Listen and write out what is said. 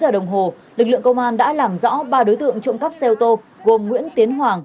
sau một mươi chín giờ đồng hồ lực lượng công an đã làm rõ ba đối tượng trộm cắp xe ô tô gồm nguyễn tiến hoàng